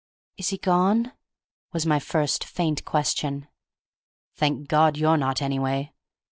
"Is he gone?" was my first faint question. "Thank God you're not, anyway!"